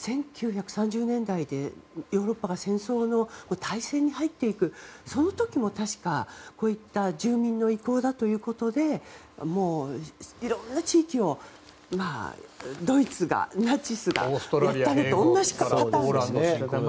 １９３０年代でヨーロッパが戦争の大戦に入っていくその時も確か、こういった住民の意向だということでいろんな地域をドイツが、ナチスが、だったりと同じパターンですね。